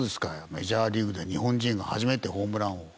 メジャーリーグで日本人が初めてホームラン王。